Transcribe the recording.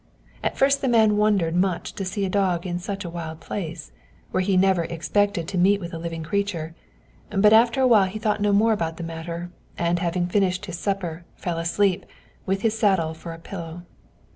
At first the man wondered much to see a dog in such a wild place, where he never expected to meet with a living creature; but after a while he thought no more about the matter, and having finished his supper, fell asleep, with his saddle for a pillow.